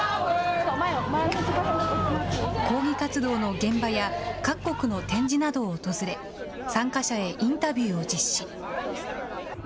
抗議活動の現場や、各国の展示などを訪れ、参加者へインタビューを実施。